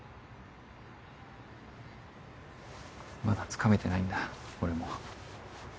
まだつかめてないんだ俺も。